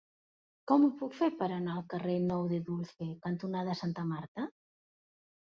Com ho puc fer per anar al carrer Nou de Dulce cantonada Santa Marta?